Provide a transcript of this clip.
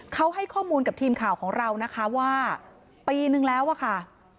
เขาให้ข้อมูลกับทีมข่าวของเรานะคะว่าปีนึงแล้วอะค่ะ